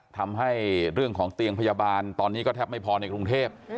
ทำให้เรื่องของเตียงพยาบาลตอนนี้ก็แทบไม่พอในกรุงเทพ